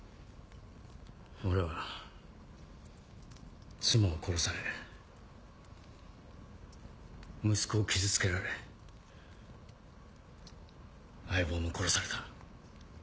俺は妻を殺され息子を傷つけられ相棒も殺された。